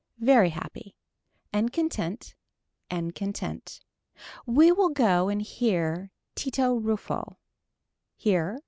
Very happy. And content. And content. We will go and hear Tito Ruffo. Here.